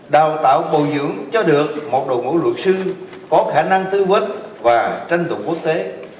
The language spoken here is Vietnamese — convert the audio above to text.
đào tạo bồi dưỡng cho được một đội ngũ luật sư có khả năng tư vấn và tranh tụng quốc tế